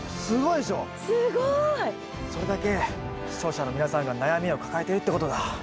すごい！それだけ視聴者の皆さんが悩みを抱えてるってことだ。